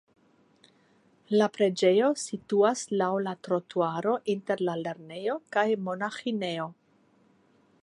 La preĝejo situas laŭ la trotuaro inter la lernejo kaj monaĥinejo.